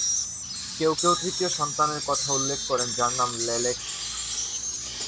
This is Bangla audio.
কেউ কেউ তৃতীয় সন্তানের কথা উল্লেখ করেন যার নাম লেলেক্স।